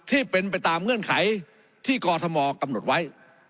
ที่เป็นไปตามเงื่อนไขที่กรทมกำหนดไว้